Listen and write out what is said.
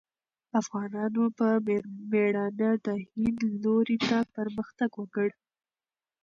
افغانانو په مېړانه د هند لوري ته پرمختګ وکړ.